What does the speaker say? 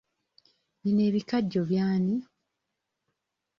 Bino ebikajjo by'ani?